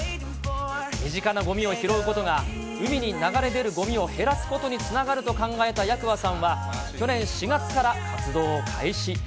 身近なごみを拾うことが、海に流れ出るごみを減らすことにつながると考えた八鍬さんは、去年４月から活動を開始。